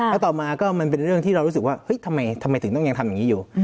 แล้วต่อมาก็มันเป็นเรื่องที่เรารู้สึกว่าเฮ้ยทำไมถึงต้องยังทำอย่างนี้อยู่